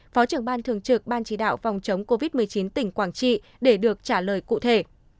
phó trưởng ban thường trực ban chỉ đạo phòng chống covid một mươi chín tỉnh quảng trị để được trả lời cụ thể